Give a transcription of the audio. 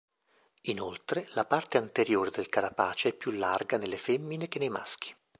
Inoltre, la parte anteriore del carapace è più larga nelle femmine che nei maschi.